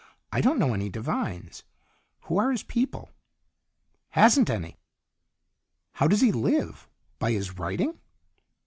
"I don't know any Devines. Who are his people?" "Hasn't any." "How does he live? By his writing?"